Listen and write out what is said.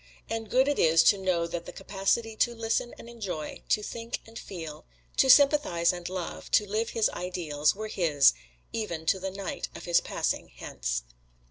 And good it is to know that the capacity to listen and enjoy, to think and feel, to sympathize and love to live his Ideals were his, even to the night of his passing Hence.